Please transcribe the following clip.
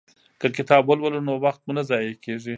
که کتاب ولولو نو وخت مو نه ضایع کیږي.